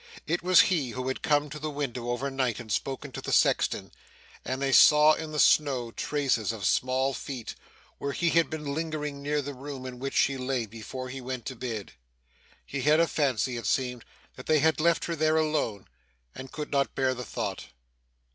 It was he who had come to the window overnight and spoken to the sexton, and they saw in the snow traces of small feet, where he had been lingering near the room in which she lay, before he went to bed. He had a fancy, it seemed, that they had left her there alone; and could not bear the thought.